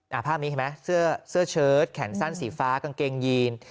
ภาพนี้เห็นไหมเสื้อเสื้อเชิดแขนสั้นสีฟ้ากางเกงยีน